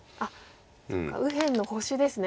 そっか右辺の星ですね